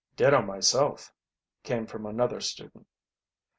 "Ditto myself," came from another student.